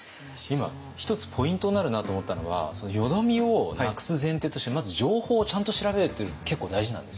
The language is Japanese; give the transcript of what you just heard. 今１つポイントになるなと思ったのは淀みをなくす前提としてまず情報をちゃんと調べるって結構大事なんですね。